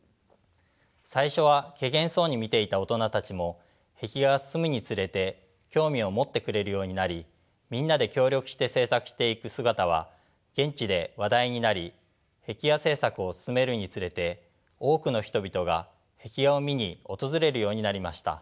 最初はけげんそうに見ていた大人たちも壁画が進むにつれて興味を持ってくれるようになりみんなで協力して制作していく姿は現地で話題になり壁画制作を進めるにつれて多くの人々が壁画を見に訪れるようになりました。